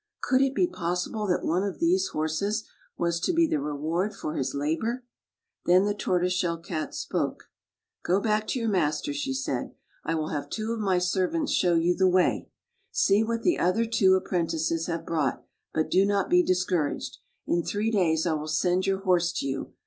Could it be possible that one of these horses was to be the reward for his labor? Then the Tortoise Shell Cat spoke. " Go [ 94 ] THE TORTOISE SHELL CAT back to your master," she said. " I will have two of my servants show you the way. See what the other two apprentices have brought, but do not be discouraged. In three days I will send your horse to you.